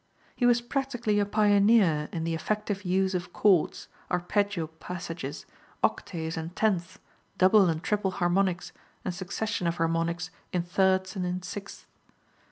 He was practically a pioneer in the effective use of chords, arpeggio passages, octaves and tenths, double and triple harmonics and succession of harmonics in thirds and in sixths.